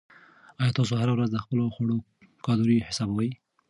آیا تاسو هره ورځ د خپلو خواړو کالوري حسابوئ؟